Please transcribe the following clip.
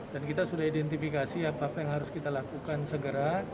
dan kita sudah identifikasi apa yang harus kita lakukan segera